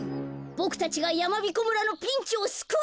ボクたちがやまびこ村のピンチをすくわないと。